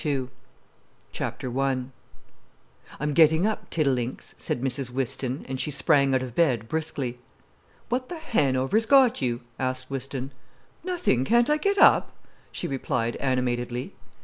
The White Stocking I "I'm getting up, Teddilinks," said Mrs Whiston, and she sprang out of bed briskly. "What the Hanover's got you?" asked Whiston. "Nothing. Can't I get up?" she replied animatedly.